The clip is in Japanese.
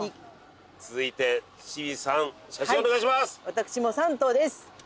私も３頭です。